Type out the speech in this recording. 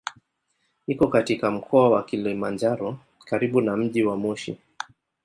Iko katika Mkoa wa Kilimanjaro karibu na mji wa Moshi.